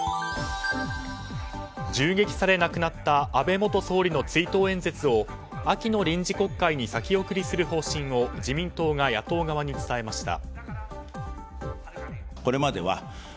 銃撃され、亡くなった安倍元総理の追悼演説を秋の臨時国会に先送りにする方針を自民党が野党側に伝えました。